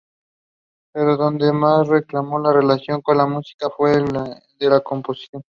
Pero donde más recaló su relación con la música fue en la composición.